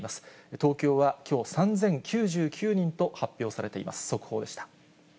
東京はきょう、３０９９人と発表されています。